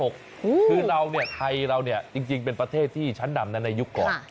คือเราเนี่ยไทยเราเนี่ยจริงเป็นประเทศที่ชั้นนำในยุคก่อน